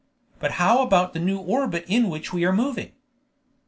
But how about the new orbit in which we are moving?"